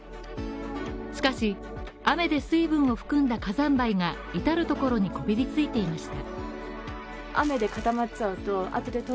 しかし、雨で水分を含んだ火山灰がいたるところにこびりついていました。